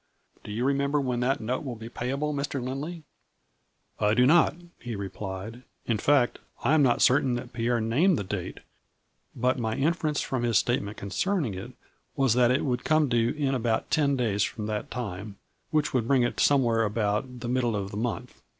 Do you remember when that note will be payable, Mr. Lindley ?"" I do not," he replied, " in fact I am not certain that Pierre named the date, but my in ference from his statement concerning it was that it would come due in about ten days from that time, which would bring it somewhere about the middle of the month.